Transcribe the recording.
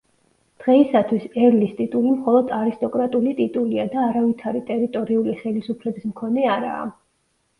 დღეისათვის ერლის ტიტული მხოლოდ არისტოკრატული ტიტულია და არავითარი ტერიტორიული ხელისუფლების მქონე არაა.